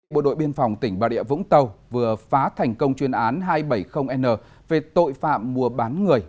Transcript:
bộ đội biên phòng tỉnh bà địa vũng tàu vừa phá thành công chuyên án hai trăm bảy mươi n về tội phạm mua bán người